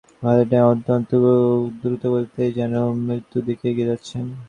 কারণ পরিষ্কার দেখা যাচ্ছিল ভ্যালডিমার অত্যন্ত দ্রুতগতিতেই যেন মৃত্যুর দিকে এগিয়ে যাচ্ছেন।